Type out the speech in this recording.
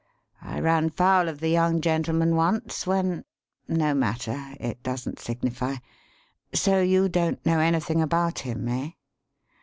I ran foul of the young gentleman once when No matter; it doesn't signify. So you don't know anything about him, eh?"